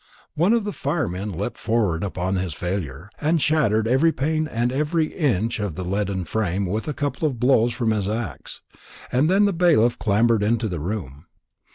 One of the firemen leapt forward upon his failure, and shattered every pane of glass and every inch of the leaden frame with a couple of blows from his axe, and then the bailiff clambered into the room.